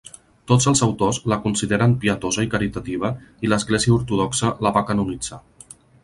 Tots els autors la consideren pietosa i caritativa i l'església ortodoxa la va canonitzar.